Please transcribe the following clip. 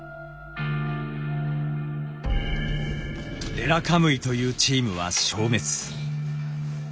レラカムイというチームは消滅。